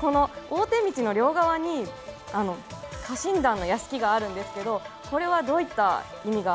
この大手道の両側に家臣団の屋敷があるんですけどこれはどういった意味があるんでしょうか？